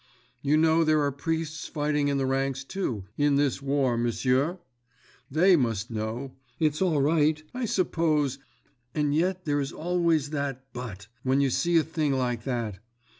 You know there are priests fighting in the ranks, too, in this war, m'sieur! They must know. It's all right, I suppose—and yet there is always that 'but' when you see a thing like that.